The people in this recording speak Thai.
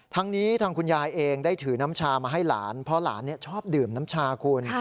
ทั้งนี้ทางคุณยายเองได้ถือน้ำชามาให้หลานเพราะหลานชอบดื่มน้ำชาคุณ